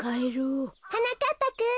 はなかっぱくん。